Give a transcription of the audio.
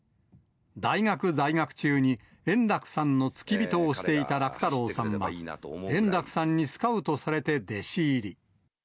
大学在学中に、圓楽さんの付き人をしていた楽太郎さんは、圓楽さんにスカウトされて弟子入り。